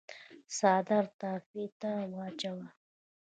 څادر ته فيته واچوه۔